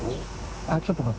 あっちょっと待って。